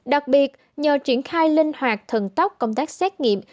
đặc biệt nhờ triển khai linh hoạt thần tốc công tác xét nghiệm